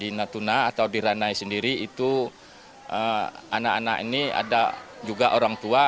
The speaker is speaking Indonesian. di natuna atau di ranai sendiri itu anak anak ini ada juga orang tua